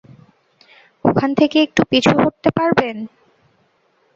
ওখান থেকে একটু পিছু হটতে পারবেন?